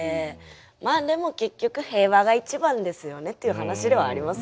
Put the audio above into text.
まあでも結局平和が一番ですよねっていう話ではありますよね。